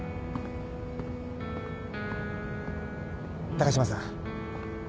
高島さん